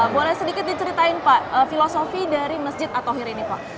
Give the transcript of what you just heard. boleh sedikit diceritain pak filosofi dari masjid at tohir ini pak